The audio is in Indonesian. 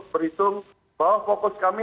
berhitung bahwa fokus kami